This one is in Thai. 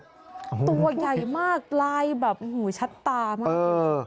ตัวใหญ่มากลายแบบโอ้โหชัดตามาก